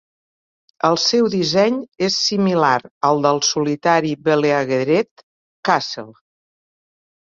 El seu disseny és similar al del solitari Beleaguered Castle.